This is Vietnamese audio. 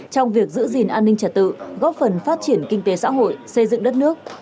trong việc giữ gìn an ninh trả tự góp phần phát triển kinh tế xã hội xây dựng đất nước